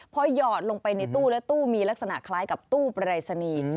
พอหยอดลงไปในตู้และตู้มีลักษณะคล้ายกับตู้ปรายศนีย์